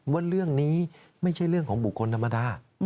ว่าเรื่องนี้ไม่ใช่เรื่องของบุคคลธรรมดา